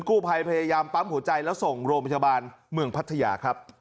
กู้ภัยพยายามปั๊มหัวใจแล้วส่งโรงพยาบาลเมืองพัทยาครับ